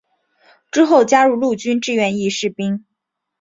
之后加入陆军志愿役士兵。